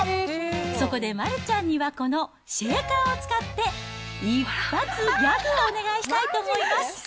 そこで丸ちゃんには、このシェーカーを使って、一発ギャグをお願いしたいと思います。